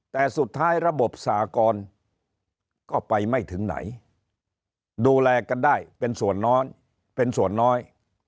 แต่สุดท้ายระบบสากรก็ไปไม่ถึงไหนดูแลกันได้เป็นส่วนน้อย